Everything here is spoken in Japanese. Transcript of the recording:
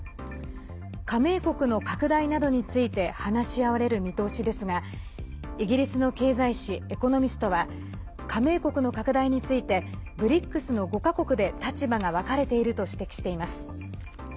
加盟国の拡大などについて話し合われる見通しですがイギリスの経済誌「エコノミスト」は加盟国の拡大についてＢＲＩＣＳの５か国で立場が分かれていると指摘しています。